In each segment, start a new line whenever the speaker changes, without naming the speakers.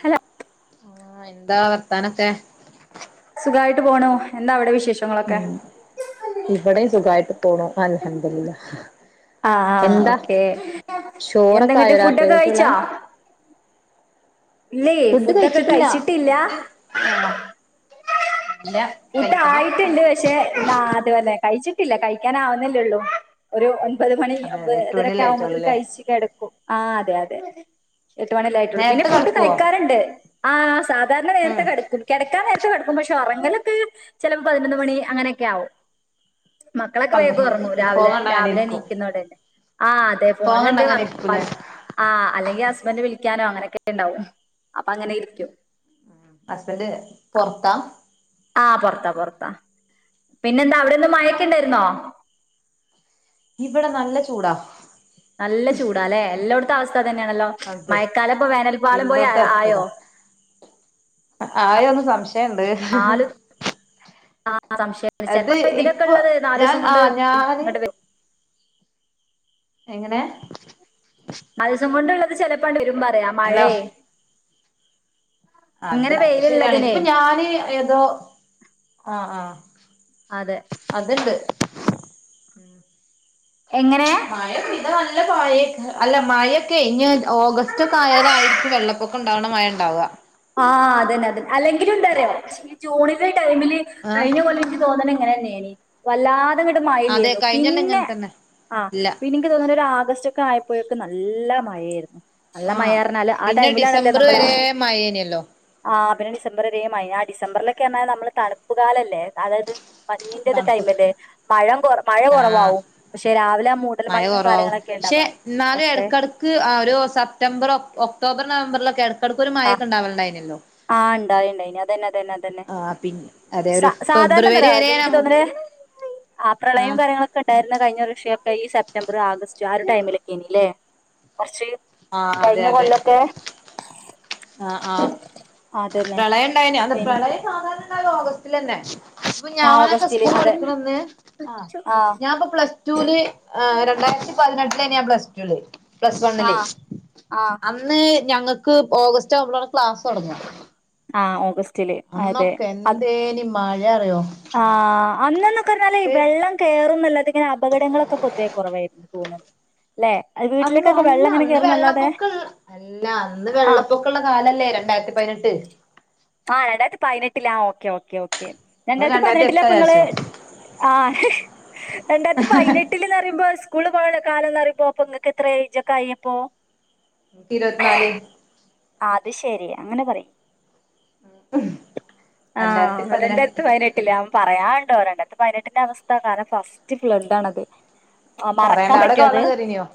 Hello
ആ എന്താ വർത്താനക്കെ
യിട്ട് പോണു എന്താവിടെ വിശേഷ [inaudible]
ഉം ഇവിടെയും സുഖായിട്ട് പോണ അൽഹംദുലില്ലാ
ആ ആ ഓക്കെ
ചോറൊക്കെ
എന്തെങ്ങട്ട്
ആയോ
ഫുഡൊക്കെ
രാത്രികൾക്കുള്ളെ
കഴിച്ചോ ഇല്ലേ
ഫുഡ്
ഫുഡൊക്കെ കഴിച്ചിട്ടില്ല
ഫുഡ് ഇല്ല
ഫുഡ്
കഴിക്കണം
ആയിട്ടുണ്ട് പക്ഷെ എന്നാ അതുപോലെ കഴിച്ചിട്ടില്ല കഴിക്കൻ ആവുന്നെല്ലേള്ളൂ ഒരു ഒൻപത് മണി
അതെ അതെ എട്ട്
ഒൻപതരാ
മണിയല്ലേ
ആകുമ്പോതേൽ
ആയിട്ടുള്ളൂല്ലേ
കഴിച്ച് കിടക്കും ആ അതെ അതെ എട്ട് മണില ആയിട്ടുള്ളൂന്നെ പിന്നെ
നേരത്തെ
ഫുഡ്
കെടക്കുവോ
കഴിക്കാറുണ്ട് ആഹ സാ സാരണ നേരത്തെ
ഉം
കിക്കും കിടക്കൻ നേരത്തെ കിക്കും പക്ഷെ ഒറ അങ്ങനൊക്കെ ചിലപ്പോ പതിനൊന്ന് മണി അങ്ങനെയൊക്കെ ആകും മക്കളൊക്കെ വേഗം
പന്ത്രണ്ട് മണി
ഉറന്നു
ഫോൺ
രാവിലെ
കണ്ട് അങ്ങനെ
രാവിലെ
ഇരിക്കും
എണീക്കുന്നട തന്നെ ആ അതെ
ഫോൺ
പേലെ
കണ്ട്
എന്തെങ്കിലും
അങ്ങനെ
വർക്കും
ഇരിക്കൂലേ
പല അല്ലെങ്കിൽ ഹസ്ബൻ്റ വിളി ക്കാനെ അങ്ങനൊക്ക ണ്ടാവും അപ്പൊ അങ്ങനെ ഇരിക്കും
അസ്ബന്റ് പൊറത്താ
ആഹ പൊറത്താ പൊറത്താ പിന്നെന്താ അവിടെന്ന് മയക്കണ്ടായിരുന്നോ
ഇവിടെ നല്ല ചൂടാ
നല്ല ചൂടാല്ലേ എല്ലടത്ത സ്ഥ തന്നെയാണല്ലോ
അത്
മയക്കാല ഇപ്പോ വേനൽപാലം പോയി
എല്ലോടത്തും അവസ്ഥ
ആയോ
അതാ
ന
ആകെ ഒന്ന് സംശയണ്ട്
ആ സംശയം
അത്
ചിലപ്പോ
ഇപ്പൊ
ഇതിനൊക്കെള്ളത് നാലു
ഞാൻ
ദിവസം
ആ
കൊണ്ട്
ഞാന്
ഇങ്ങോട്ട് വരും
എങ്ങനെ
മത്സം കൊണ്ട് ഉള്ള ചിലപ്പോണ്ട് വരും മ്പ അ മഴയ
അത ശരിയാണ് ഇപ്പൊ ഞാന് ഏതോ ആഹ ആഹ
അതെ
അത്ണ്ട് ഉം [unintelligible]
എങ്ങനെ
മഴ പെയ്താൽ നല്ല കഴിയിക്കും അല്ല മയക്കെ ഇങ് ഓഗസ്റ്റ് ഒക്കെയാലായിയിരിക്കും വെള്ളപ്പൊക്കം ഉ ഇത്തവണ മഴ ഉണ്ടാവുക
ആഹ് അതന്നെ അതെ അല്ലെങ്കിലും എന്തറിയുവോ ഈ ജൂണില ടൈമിൽ
ആഹ്
കഴിഞ്ഞ പോലെു തോന്ന അങ്ങനന്നെയ വല്ലാ ട്ട്
അതെ
മലു
കഴിഞ്ഞൊല്ലം
പിന്നെ
ഇങ്ങനെ തന്നെ
ആ
ഇല്ല
പിന്നെക്ക് തോന്ന ഒരു ആഗസ്റ്റ് ഒക്കെ ആയ പ്പോയൊക്കെ നല്ല മഴയായിരുന്നു നല്ല
ആ
മഴ പറഞ്ഞാല് ആ
പിന്നെ
ടൈമിലാണല്ലേ
ഡിസംബർ വരെ മയേനല്ലോ
ആ് പിന്നെ ഡിസംബരേമായി ആ ഡിസംബറിലൊക്കെ പറഞ്ഞാൽ നമ്മള് തണു് കാലമല്ലേ അതായത് മഞ്ഞിന്റെ
തണുപ്പ്
ടൈമല്ലേ മഴ കൊ മഴ
ആഹ
കുറവാവും പക്ഷെ രാവിലെ ആ മൂടൽ
മഴ
മഞ്ഞും
കുറവാവും
കാര്യങ്ങളൊക്കെ
പക്ഷെ
ഉണ്ടാവുക
എന്നാലും
പക്ഷെ
ഇടക്കിടക്ക് ആ ഒരു സെപ്റ്റംബർ ഒക്ടോബർ നവംബറിലൊ കടക്കൂരു
ആ
മായൊക്കെ ഉണ്ടാവണ്ടായിനല്ലോ
ആ ഇണ്ടായി ഇണ്ടായിനി അതെന്നത് അതെന്നെ അതെന്നെ
ആഹ് പിന്നെ അതെ
സാ
ഒരു
സാധാരണന്ത
ഫെബ്രുവരി
റിയോ
വരെ
ഇൻക്ക്
നമുക്ക്
തോന്ന്ണ് ആ പ്രളയും
ആഹ്
കാര്യങ്ങളൊക്കെ ഇണ്ടായി ന്ന കഴിഞ്ഞ വർഷിയൊക്കെ ഈ സെപ്റ്റംബർ ആഗസ്റ്റ് ആ ഒരു ടൈമിലൊക്കെ നില്ലേ കൊർച്ച്
ആഹ്
കഴിഞ്ഞ കൊല്ലൊക്കെ
ആ ആ
അതന്നെ
പ്രളയം ഇണ്ടായിന്യോ അന്ന്
പിൻ
പ്രളയം സാധാരണ ഓഗസ്റ്റിലെന്നെ അപ്പൊ
ആ
ഞാനൊക്കെ
ഓഗസ്റ്റില്
സ്കൂൾ
അതെ
പഠിക്കണന്ന് ആ ഞാപ്പോ പ്ലസ് ടൂല് രണ്ടായിരത്തി പതിനെട്ട [unintelligible] ഞാൻ പ്ലസ് ടുല് പ്ലസ്
ആ
വണ്ണില്
ആ
അന്ന് ഞങ്ങക്ക് ഓഗസ് റ്റവുംമ്പളാണ് ക്ലാസ് തൊടങ്ങാ
ആ ഓഗസ്റ്റില് അതെ അ
എന്തേനി മഴ റിയോ
ആ അന്നെന്ന ക്കർഞ്ഞാലെ ഈ വെള്ളം കേറു നല്ലാതിങ്ങനെ അപകടങ്ങളൊക്കെ പൊതുവേ കുറവായിരുന്നു തോന്ന്ണ്
അന്ന് അല്ല അന്ന് വെള്ളപ്പൊക്കള്ള അല്ല അന്ന്
ആ
വെള്ളപ്പൊക്കള്ള കാലല്ലേ രണ്ടായിരത്തി പതിനെട്ട്
ആ രണ്ടായിരത്തി പതിനെട്ടില ആ ഓക്കെ ഓക്കെ ഓക്കെ
ഇങ്ങള്
രണ്ടായിരത്തി പതിനെട്ടില്
എട്ടാ
അപ്പൊ നിങ്ങള്
വിചാരിച്ചോ
ആ രണ്ടായിരത്തി പതിനെട്ടില് ന്ന് പറയുമ്പോ സ്കൂള് പോയുള്ള കാല ന്നറിമ്പോ അപ്പൊ ഇങ്ങക്കെത്രായി ഇജൊക്കയി അപ്പോ
ഇരുവത്ത് നാല്
ആ അത് ശരി അങ്ങനെ പറി ആ
രണ്ടായിരത്തി പതിനെട്ട്
രണ്ടായിരത്തി പതിനെട്ടില് ആ പറയാൻണ്ടോ രണ്ടയിരത്തി വയനാട്ടിന്റെ അവസ്ഥ കാരണം ഫസ്റ്റ് ഫ്ലഡാണത് ആ
പറയണ്ട
മറക്കാൻ പറ്റോ
അവിടൊക്കെ
അത്
വെള്ളം കേറീനിയോ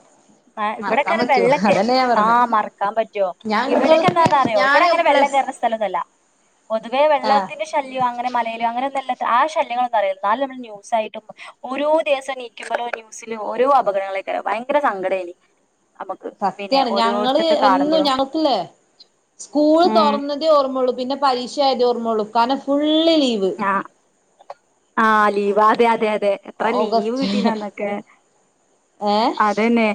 ഇവിടെക്കെ
മറക്കാൻ പറ്റോ
വെള്ളൊക്കെ
അതന്നെ ഞാൻ
ആ
പറഞ്ഞെ
മറക്കാൻ പറ്റോ
ഞങ്ങൾക്ക്
ഇവെടേക്കെയെന്താന്നറിയോ
ഞാന്
ഇവടെങ്ങനെ വെള്ളം
പ്ലസ്
കേറണ സ്ഥലൊന്നൊല്ല പൊതുവെ
ആഹ്
വെള്ളത്തിന്റെ ശല്യാ അങ്ങെനെ മലേല് അങ്ങെനൊന്നൊല്ല ആ ശല്യങ്ങളൊന്നറീല ന്നാലും നമ്മള് ന്യൂസായിട്ടും ഓരോ ദിവസം നീക്കുമ്പോളോ ന്യൂസില് ഓരോ അപകടങ്ങളെ ക്കാരം ഭയങ്കര സങ്കടേനി നമക്ക് പിന്നെ ഓരോര്ത്തര്ത്ത് കാണുമ്പളും
ല്ലേ സ്കൂള് തൊർന്നതേ ഓർമ്മൊള്ളൂ പിന്നെ പരീക്ഷയായതോർമ്മൊള്ളൂ കാരണം ഫുൾ ള്ള് ലീവ്
ആ ലീവ് അതെ യതെ യതെ തെ എത്ര ലീവ്
ഓഗസ്റ്റ്
കിട്ടീനന്നൊക്കെ
ഏഹ്
അതെന്നെ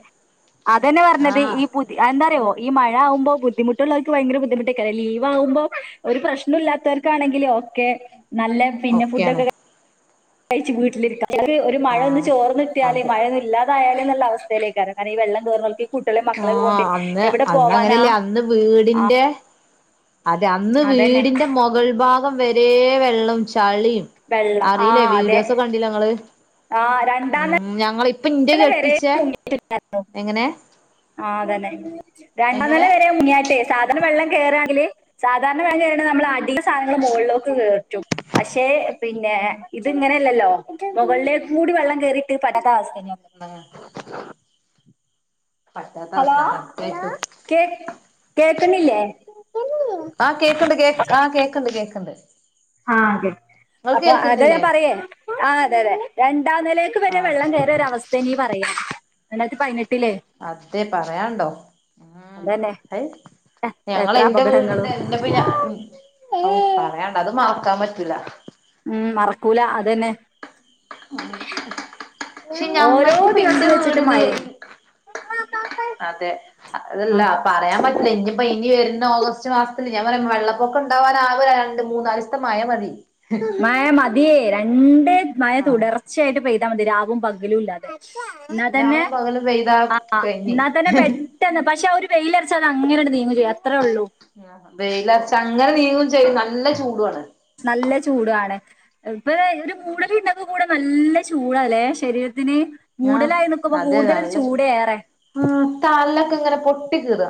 അതെന്നെ പറഞ്ഞത്
ആഹ്
ഈ പുതി അഅ്ന്താ റ്യോ ഈ മഴ ആമ്പോ ബുദ്ധിമുട്ടുള്ളവര്ക്ക് ഭയങ്കര ബുദ്ധിമുട്ടൊക്കെയാണ്. ലീവാവുമ്പോ ഒരു പ്രശ്നമില്ലാത്തവർക്കാണെങ്കിൽ ഓക്കെ. നല്ല പിന്നെ
ഒക്കെയാണ്
ഫുഡൊക്കെ ക കഴ്ച്ചു വീട്ടിലിരിക്ക ഒര് ഒരു മഴയൊന്ന്
ആഹ്
ചോർന്നു കിട്ടിയാല്
അതെ
മഴൊന്നില്ലാതായാല് നല്ല അവസ്ഥയിലേക്കാണ നനം ഈ വെള്ളം തോർന്നൊഴുക്കി
ആ അന്ന് അന്ന് അങ്ങനെല്ലേ അന്ന്
ആഹ്
വീടിന്റെ. അതെ. അന്ന്
അതന്നെ
വീടിന്റെ മുകൾ ഭാഗം വെരെ വെള്ളം ചളിയും
വെള്ളം
അറിയില്ലേ
ആഹ്
വീഡിയോ
അതെ
സ് കണ്ടില്ലേ നിങ്ങള്?
ആഹ് രണ്ടാന ല വെരെ
കെട്ടിച്ചേ
മുങ്ങിട്ടുട്ടാരുന്ന്.
എങ്ങനെ
ആ തന്നെ. രണ്ടാല
എങ്ങനെ
വരെ മുങ്ങിയാട്ടേ. സാധണ വെള്ളം കേറാങ്കില്. സാധാർണ വേ കേറണ നമ്മളടി സാധനങ്ങള് മൊകളിലോക്കുക്കേറ്റും പക്ഷെ. പിന്നെ ഇത് ഇങ്ങെനെയല്ലല്ലോ. മൊകളിലേക്കൂടി വെള്ളം കേറിട്ട് തന്റെയാസ് കഴ്ഞ്ഞോ?
ആഹ്
ഹലോ കേ കേൾക്കണില്ലേ?
ആഹ് കേക്കൊണ്ട് കേ ആഹ് കേക്കൊണ്ട് കേക്കൊണ്ട്.
ആഹ് കേ അപ്പൊ അതെ ഞാൻ പറയേ ആ അതെ അതെ. എൻ ണ്ടാനിലേക്ക് വെരെ
ആഹ്
വെള്ളം കേറിയരവസ്ഥേ നീ പറയ്. രണ്ടായിരത്തി പതിനെ
അതെ പറയണ്ടോ ഉം
അതന്നെ
ഐ ഞങ്ങളെ
എത്ര
ഇന്റെ വീടിന്റെ
അപകടങ്ങളും
എന്റെപ്പ ഞ ഓ പറയായണ്ട അത് മാത്ര മറക്കാൻ പറ്റൂല
ഉം മറക്കൂല അതന്നെ
പക്ഷെ
ഓരോ
ഞങ്ങൾക്ക് ഇപ്പൊ
ദിവസം
ഇന്റെ
വെച്ചിട്ട്
വീടില്
മഴേണ്
അതെ അതല്ല
ആഹ്
പറയാൻ പറ്റില്ല ഇനിപ്പോ ഇനി വരുന്ന ഓഗസ്റ്റ് മാസ ഞൻ പറയാ വെള്ളപ്പൊക്കം ഉണ്ടാവാൻ രണ്ട് മൂന്നാലിസ്തെമയ മതി
മഴ മതി രണ്ട് മയ
ആഹ്
തുടർച്ചയായിട്ട് പെയ് മതി രാവും പകലുംല്ലാതെ എന്നാ തന്നെ
രാവും പകലും പെയ്താ
ആ
കഴിഞ്ഞ്
എന്നാ തന്നെ പെട്ടെന്ന് പക്ഷെ അവര് വെയില് അറച്ച അത് അങ്ങനെ തന്നെ നീങ്ങും ചെയ്യും അത്രേ ഉള്ളൂ
ആ വെയിലർച്ച അങ്ങനെ നീങ്ങും ചെയ്യുന്നു നല്ല ചൂടുആ ണ്
നല്ല ചൂടു ആണ് ഏ ഒരു മൂടലും ഉണ്ടാവും കൂടെ നല്ല ചൂടല്ലേ ശരീര ഇതിന്
ആഹ്
മൂടലായി നിക്കുമ്പോ
അതെ
കൂടുതലൊരു
നല്ല
ചൂട് ഏറെ
ട്ടികീറാ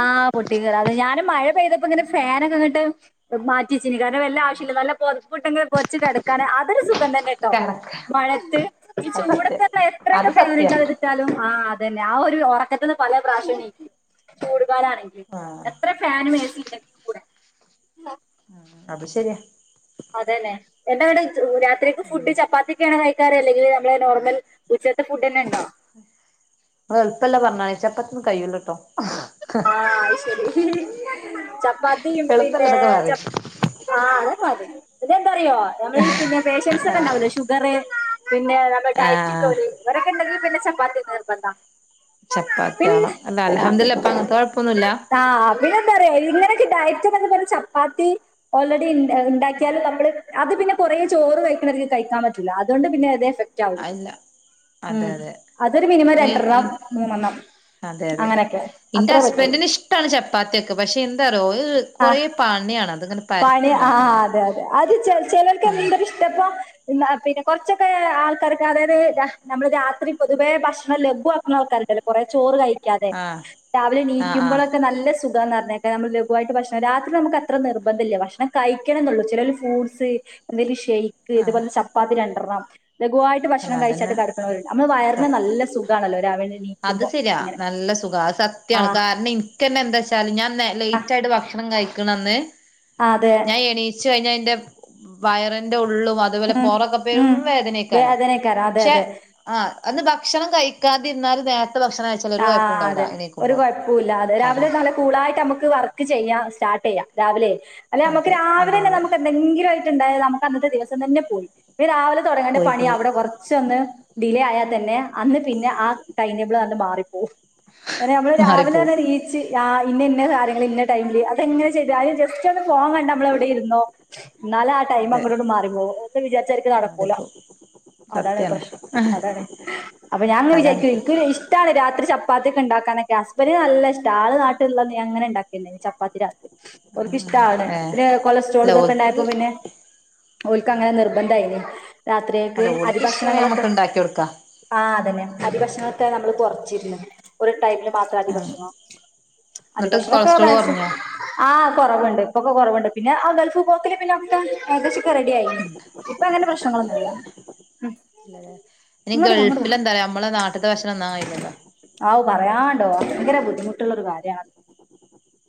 ആഹ് പൊട്ടി കീറാ അത് ഞാൻ മഴ പെയ്തപ്പോ ഇങ്ങനെ ഫാനൊക്കെ ഇങ്ങോട്ട് മാറ്റിച്ചിന് കാരണം വല്ല ആവശ്യമില്ലനല്ല പൊത്പ്പിട്ട് പൊതച്ചു കിടക്കാൻ ഒരു സുഖം തന്നെ ട്ടോ
കണക്കാ
മഴത്ത് ഈ
അത് സത്യ
ചൂടത്ത്നമ്മൾ എത്ര
അത്
ഫാൻ
സത്യ
ഇട്ടാലും ആ അതന്നെ ഉറക്കത്തിന്ന് പല പ്രാവശ്യാം എണീക്കും ചൂട് ഫേനആണങ്കിൽ
ആഹ്
എത്ര ഫേനും എസി ഇണ്ടങ്ങി കൂടെ [unintelligible]
ഉ അത് ശരിയാ
അതന്നെ എന്താ ഇവിടെ ഓ രാത്രിക്ക് ഫുഡ് ചപ്പാത്തി ഒക്കെ ആണോ അല്ലെങ്കിൽ നമ്മളെ നോർമൽ ഉച്ചത്തെ ഫുഡ് തന്നെ ഉണ്ടോ
അ എളുപ്പമല്ല പറഞ്ഞാണ്ച്ചപ്പും കയ്യൂല്ലട്ടോ
ആ ശരി ചപ്പാത്തിയും
എളുപ്പല്ല
പിന്നെ
ഇതൊക്കെ പറിം
ആ ത [unintelligible] അറിയോ നമ്മൾഈ പിന്നെ പേഷ്യൻസ് ഒക്കെ ഉണ്ടാവല്ലോ ഷുഗർ പിന്നെ നമ്മുടെ ഡയറ്റ്
ആഹ്
ഉള്ളത് ഇവരൊക്കെ ഉണ്ടെങ്ക പിന്നെ ചപ്പാത്തി ഒക്കെ നിർബന്ധാ
ചപ്പാത്തി ആണോ അല്ല അൽഹംദുലില്ലാഹ് ഇപ്പൊ അങ്ങനത്തെ കൊഴപ്പൊന്നുല്ല
ആ പിന്നെന്താറിയൊ ഇങ്ങനൊക്കെ ഡയറ്റ്ഒക്കെ പറഞ്ഞ ചപ്പാത്തി ഓൾറെഡി ഇണ്ടാക്കിയാലും നമ്മൾ അത് പിന്നെ കുറേ ചോറ് കഴിക്കണമാതിരിക്ക് കഴിക്കാൻ പറ്റില്ല അതുകൊണ്ട് പിന്നെ എഫെ റ്റാവൂല
ഇല്ല അതെ അതെ
അതൊരു മിനിമം രണ്ടെണ്ണം
ഈ
മൂന്നെണ്ണം അങ്ങനൊക്കെ
എന്റെ ഹസ്ബന്റിന് ഇഷ്ട്ടാണ് ചപ്പാത്തിയൊക്കെ. പക്ഷെ എന്താന്നറിയോ കൊറെ
ആഹ്
പണിയാണ് അതങ്ങനെ പരത്തി
പണി ആ
ഉണ്ടാക്കണ്ടേ.
അതെ അതെ അത് ചെ ചിലർക്ക് എന്തൊരു ഇഷ്ടം ഇപ്പൊ പിന്നെ കുറച്ചൊക്കെ ആൾക്കാർക്ക് അതായത് നമ്മള് രാത്രി പൊതുവേ ഭക്ഷണം ലഘു ആക്കുന്നവർക്ക്‌ അറിയാലോ കൊറേ ചോറ് കഴി ക്കാതെ
ആഹ്
രാവിലെ
ആഹ് ആഹ്
എണിക്കുമ്പോഴൊക്കെ നല്ല സു ഇതാന്നാറിഞ്ഞേക്ക നമ്മൾ ലഘുവായിട്ട് ഭക്ഷണം. രാത്രി നമുക്ക് അത്ര നിർബന്ധില്ല ഭക്ഷണം കഴിക്കണന്നുള്ളൂ ചിലര് ഫ്രൂട്ട്സ് ഷെയ്ക്ക്
ആഹ്
ഇതപോലെ ചപ്പാത്തി രണ്ടെണ്ണം [inaudible] ലഗുവായിട്ട്
അല്ല
ഭക്ഷണം കഴിച്ചാണ്ട്
അതന്നെ
കടക്ക്നോൽ മ്മളെ വയറിന്
സത്യം
നല്ല സുഖആണല്ലോ രാവിലെ നീകുമ്പം അങ്ങനെ
സത്യ
ആ
കാരണം ഇനിക്കന്ന എന്താന്ന് വെച്ചാൽ ഞാൻ ലൈറ്റ് ആയിട്ട് ഭക്ഷണം കഴി ക്ക്ണന്ന്
ആ, അതെ
ഞാൻ എണീച്ചു കഴിഞ്ഞാൽ എന്റെ വയറിനുള്ള ഉള്ളും അതുപോലെ
ഉം
പുറം
ഉം
ഭയങ്കര വേദനയായിരിക്കും
വേദനക്കാരം അതെ
പക്ഷേ
അതെ
ആ അത് ഭക്ഷണം കഴിക്കാതിരി എന്നാലും നേര
ആ ആ അതെ ഒരു കുഴപ്പല്ലാതെ രാവിലെ
അതാണ്
നല്ല കൂൾ ആയിട്ട് നമുക്ക് വർക്ക് ചെയ്യാം സ്റ്റാർട്ട് രാവിലെ അല്ല ഞമ്മക്ക
അതെ
രാവിലെ
അതെ
തന്നെ
അതെ
നമുക്ക് എന്തെങ്കിലും ആയിട്ട് ഉണ്ടായ നമുക്ക് അന്നത്തെ ദിവസം തന്നെ പോയി പിന്നെ രാവിലെ തുടങ്ങേണ്ടേ
പോയി
പണി
പോയി
അവിടെ കുറച്ചൊന്ന് ഡിലെ ആയാൽ തന്നെയാ അന്ന് പിന്നെ ആ ടൈംടേബിൾ ആണ് മാറി പോകും അങ്ങനെമ്മൾ രാവിലെ
മാറിപ്പോവും
തന്നെ നീച്ച് യാ ഇന്ന് കാര്യങ്ങൾ ഇന്ന് ടൈമിൽ അത് അങ്ങനെ ചെയ്താൽ ജസ്റ്റ് ഒന്ന് ഫോൺ കണ്ട് നമ്മൾ എവിടെയെ ഇരുന്നോ ഇന്നലെ ആ ടൈം
അതെ
അങ്ങോട്ട് ഇങ്ങോട്ട് മാറിപ്പോകും വിചാരിച്ച മാതിരി നടക്കൂല
മാറിപ്പോവും
അതാണ്
സത്യാണ്
പ്രശ്നം അതാണ് അപ്പം ഞാൻ ഇങ്ങനെ
അതാണ്
വിചാരിച്ചു എനിക്ക് ഇഷ്ടാണ് രാത്രി സദ്യക്ക് ഉണ്ടാക്കാൻ നോക്കെ ഹസ്ബൻഡ് നല്ല ഇഷ്ടമാണ് ആള് നാട്ടിലുണ്ടെന്ന് ഇങ്ങനെ ഉണ്ടാക്കിനി ചപ്പാത്തി രാത്രി ഓരിക്കിഷ്ടമാണ്
ഏഹ്
പിന്നെ കൊളസ്ട്രോൾ
അല്ല
ഇതൊക്കെ
ഓൽക്ക്
ഉണ്ടായപ്പോ പിന്നെ ഓല്ക്ക് അങ്ങനെ നിർബന്ധായില്ലേ രാത്രിയ്ക്ക്
അല്ല ഓൽക്ക് ഇഷ്ടാണെ
അരിഭക്ഷണങ്ങളൊക്കെ
നമ്മക്ക് ഇണ്ടാക്കി കൊടുക്കാ
ആ അതന്നെ അരിഭക്ഷണങ്ങളൊക്കെ നമ്മൾ കു ഒരു ടൈമിലു മാത്ര അരി
ആഹ്
ഭക്ഷണോ അരി
എന്നിട്ട്
ഭക്ഷണൊക്കെ
കൊളസ്ട്രോള്
മാക്സിമം
കൊറഞ്ഞോ
ആ കൊറവുണ്ട് ഇപ്പോക്കെ കുറവുണ്ട് പിന്നെ ആ ഗൾഫ് പോക്കില് പിന്നെ ഒക്കെ ഏകദേശം
ആ അതെ ഇനി
ഇങ്ങോട്ട് വാ ഇങ്ങോട്ട് വാ.
ഗൾഫില് എന്താറിയ്യോ നമ്മളെ നാട്ടിത്തെ ഭക്ഷണം തിന്നാൻ കഴിയില്ലല്ലോ
ആവു പറയാണ്ട് ഭയങ്കര ബുദ്ധിമുട്ടുള്ളൊരു കാര്യാണത്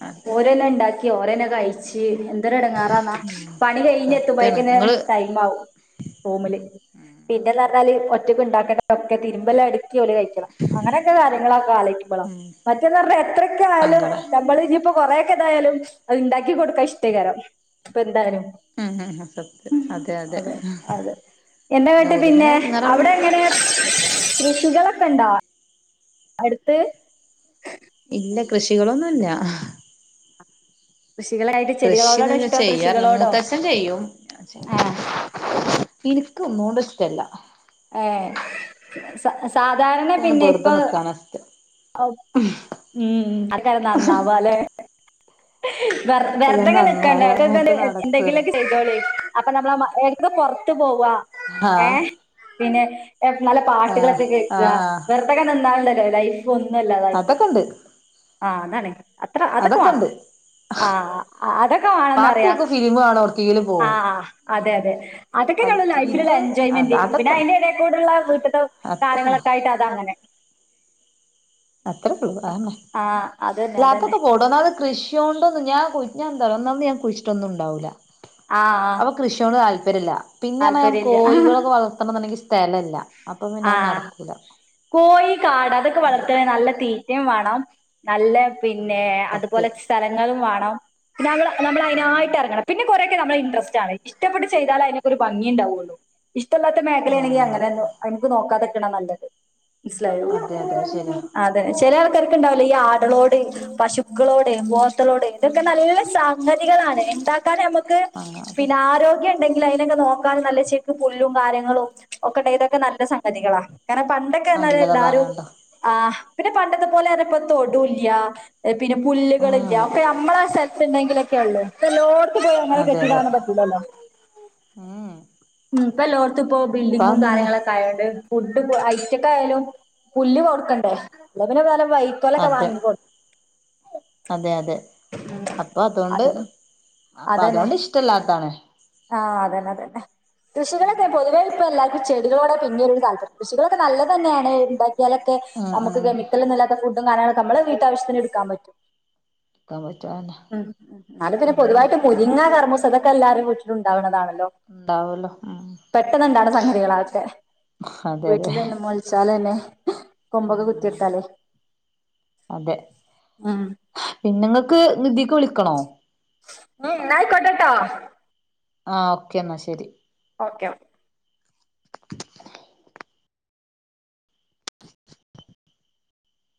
അതെ
ഓരെന്നെ ഉണ്ടാക്കി ഓരെന്നെ കഴിച്ച് എ എന്തൊരു എടുങ്ങാറാന്നാ
ഉം
പണി കഴിഞ്ഞ്
സത്യാണ്
എത്തുമ്പോയ്ക്കെന്നെ
ഇങ്ങള്
ടൈം ആകും റൂമില് പിന്നെന്ന് പറഞ്ഞാല് ഒറ്റ ഒറ്റയ്ക്ക് ഇണ്ടാക്കണ്ടതൊക്കെ തിരുമ്പല് അടുക്കി ഓര് കഴിക്കൽ അങ്ങനൊക്കെ കാര്യങ്ങളൊക്കെ ആലോയ്ക്കുമ്പളാ
ഉം
മറ്റേന്നർഞ്ഞാ എത്രക്ക്യയാലും
സങ്കടാ
നമ്മള് ഇഞ്ഞ് ഇപ്പൊ കൊറേയൊക്കെ ഇതായാലും അത് ഇണ്ടാക്കി കൊടുക്കാ ഇഷ്ടായിക്കാരം ഇപ്പ എന്തായാലും
ഉം ഉം സത്യം
അതെ അതെ എന്താ കേട്ട്
ഓലിങ്ങനെ
പിന്നെ അവിടെ
എടങ്ങേറാവ്ണ
എങ്ങനെ കൃഷികള ഇപ്പണ്ടോ അടുത്ത്
ഇല്ല കൃഷികളൊന്നുല്ല
കൃഷികളായിട്ട്
കൃഷീന്ന്
ചെടികളോടാണോ
ഞ്
ഇഷ്ടം
ചെയ്യാറില്ല
കൃഷികളോടോ?
മൂത്തച്ചൻ ചെയ്യും
ആഹ്
എനിക്ക് ഒന്നൂണ്ടും ഇഷ്ടല്ല
ഏ സ സാധാരണ
അങ്ങനെ
പിന്നെ
വെറുതെ
ഇപ്പൊ
നിക്കാനാ ഇഷ്ടം
ഉം മ് [unintelligible] നന്നാവാല്ലേ വെ
എല്ലാം
വെർതങ്ങനെ നിക്കണ്ടെ
നന്നാകാനായിട്ട്
ഇടയ്ക്കൊക്കെ
നടക്കൂല
എന്തെങ്കിലും ചെയ്തോളി അപ്പൊ നമ്മള [unintelligible] പൊർത്ത് പോവാ
ആഹ്
ഏഹ് പിന്നെ ഏ നല്ല
ആഹ്
പാട്ടുകളൊക്കെ കേക്ക
ആഹ്
വെർതൊക്കെ നിന്നാണ്ട ലൈഫ് ഒന്നുവല്ലാതായിപ്പോവും
അതൊക്കെ ഇണ്ട്
ആ അതാണെ അത്ര അതൊക്കെ വാണം ആ അതൊ
പാട്ട് കേക്കും ഫിലിമാണും
ആഹ് അതെ അതെ
അൽ
അതൊക്കെന്നൊള്ളൂ ലൈഫിലിള്ള
ഇത് അത്
എൻജോയ്മെന്റ് പിന്നെ
അതൊക്കെണ്ട്
അയ്ന്റെ എടേക്കൂടെള്ള വീട്ടത്തെ
അത്രേള്ളൂ
കാര്ങ്ങളൊക്കൊയിട്ട് അത അങ്ങനെ
എത്ര
ആ അതന്നെ അതന്നെ
[unintelligible] ഒന്നാമത് കൃഷിയോണ്ടവന്ന് ഞാൻ കു ഞ ന്താറിയോ ഒന്നാമത് ഞാൻ കുയ്ച്ചിട്ടാ ഒന്നുണ്ടാവുല്ല
ആ ആ
അപ്പൊ കൃഷിയോട് താൽ പെരില പിന്നെയർഞ്ഞ ഞാൻ
താല്പര്യമില്ല
കോയികളൊക്കെ വളർത്തണന്നിണ്ടെങ്കി സ്ഥലല്ല അപ്പൊ പിന്നെ അത് നടക്കൂല
കോയി കാട അതൊക്കെ വളർത്തെ
അതാണ്
നല്ല തീറ്റെം വേണം നല്ല
ഉം
പിന്നെ അതുപോലെ
സത്യം
സ്ഥലങ്ങളും വാണം പിന്നെമ്മ നമ്മള്
ഉം
അയിനായിട്ട് എറങ്ങണം പിന്നെ കൊറെക്കെ നമ്മളെ ഇൻടറ്രസ്റ്റ് ആണ് ഇഷ്ടപ്പെട്ട് ചെയ്താല് അതിനൊക്ക ഒരു ഭംഗിണ്ടാവുള്ളു ഇഷ്ടല്ലാത്ത മേഖലയാണെങ്ങി
ആഹ്
അങ്ങനെന്നെ അയ്മക്ക് നോക്കാതെ ണ നല്ലത് മനസിലായോ
അതെ അതെ അത് ശരിയാ
അതെ ചെല ആ ണ്ടാവലോ ഈ ആടാളോട് പശുക്കളോടെ പോത്തളോട് ഇതൊക്കെ നല്ല സംഗതികളാണ് ണ്ടാക്കാൻ നമ്മക്ക്
അങ്ങ
[unintelligible]
അത്
പിന്നെ ആരോഗ്യ ണ്ടെങ്കിൽ അയിനൊക്കെ നോക്കാൻ നല്ല ചേൽക്ക് പുല്ലും കാര്യങ്ങളും ഒക്കെ ണ്ടെങ്ങി ഇതൊക്കെ നല്ല സംഗതികളാ ക പണ്ടൊക്കെ പറഞ്ഞാല്
നല്ലതാ
എല്ലാരും
പറയണ്ടോ
ആ പിന്നെ പണ്ടത്തെ പോലെ പ്പൊ തൊടൂല്ല പിന്നെ പുല്ലുകളില്ല
ഉം
അപ്പെ നമ്മളെ സ് ണ്ടെങ്കിലൊക്കെ ഒള്ളൂ പ്പഎല്ലോട് [unintelligible] അങ്ങനെ
അതെ അതെ
കെട്ടിടാനൊന്നും പറ്റൂല്ലല്ലോ
ഉം
പ്പെല്ലോട് ത്ത് പ്പോ ബിൽഡിങ്ങും
ഇപ്പൊന്നുല്ല
കാര്യങ്ങളൊക്കെ ആയോണ്ട് ഫുഡ് [unintelligible] ച്ചക്കായാലും പുല്ല് കൊടുക്കണ്ടേ ന്ന വൈക്കോലൊക്കെ
അതെ
വാങ്ങിക്കോ
അതെ അതെ അപ്പൊ അതുകൊണ്ട്
അത്
അപ്പൊ
അതന്നെ
അതൊണ്ട് ഇഷ്ടല്ലാത്താണ്
ആഹ് അതന്നെ അതന്നെ കൃഷികളൊക്കെ പൊതുവേ ഇപ്പ എല്ലാർക്കും ചെടികളോടാ പിന്നേരു താല്പര്യം കൃഷികള ക്കെ നല്ലതെന്നെണ് ഇണ്ടാ ട്ട്യാലൊക്കെ
ഉം
നമുക്ക്
ഉം
കെമിക്കൽല്ലാത്ത ഫുഡ് ഡും കാര്യങ്ങളൊക്കെ നമ്മളെ വീട്ടാവശ്യത്തിന് എടുക്കാൻ പറ്റും
നിക്കാൻ പറ്റാതന്നെ
പിന്നെ പൊതുവായിട്ട് മുരിങ്ങ കർമ്മൂസ അതൊക്കെല്ലാരുടെ വിട്ടീലുണ്ടാവ്ണതാണ്
ഉണ്ടാവല്ലോ ഉം
പെട്ടെന്ന്ണ്ടാവ്ണെ സംഗതികളാ അതൊക്കെ ഇതൊന്ന് മോളച്ചാലെന്നെ [inaudible]
ഉ ഉ അതെ
ഉം
പിന്നെങ്ങക്ക് ഇതിക്ക് വിളിക്കണോ
ഉം ന്നാ അയ്ക്കോട്ടെ ട്ടോ
ആ ഓക്കേ ന്നാ ശെരി
ഓക്കെ